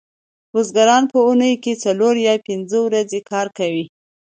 بزګران په اونۍ کې څلور یا پنځه ورځې کار کوي